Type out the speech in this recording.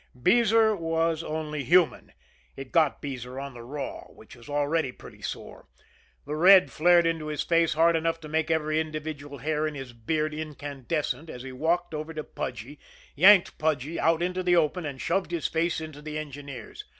Beezer was only human. It got Beezer on the raw which was already pretty sore. The red flared into his face hard enough to make every individual hair in his beard incandescent; he walked over to Pudgy, yanked Pudgy out into the open, and shoved his face into the engineer's.